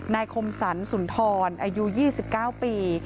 คมสรรสุนทรอายุ๒๙ปี